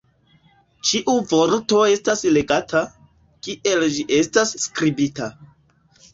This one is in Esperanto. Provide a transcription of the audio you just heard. Ĉiu vorto estas legata, kiel ĝi estas skribita.